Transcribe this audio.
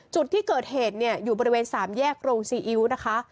จุดที่เกิดเหตุเนี่ยอยู่บริเวณสามแยกโรงซีอิ๊วนะคะ